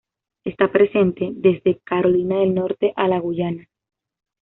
Está presente desde Carolina del Norte a la Guyana.